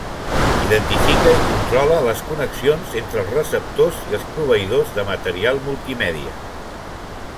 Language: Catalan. Identifica i controla les connexions entre els receptors i els proveïdors de material multimèdia.